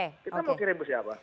kita mau kirim ke siapa